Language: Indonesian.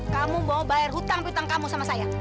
kamu mau bayar hutang hutang kamu sama saya